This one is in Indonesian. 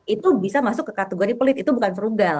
itu bisa masuk ke kategori pelit itu bukan frugal